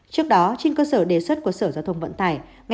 trước đó trên cơ sở đề xuất của sở giao thông vận tải